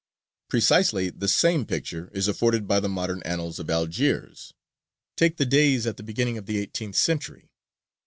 Precisely the same picture is afforded by the modern annals of Algiers. Take the Deys at the beginning of the eighteenth century.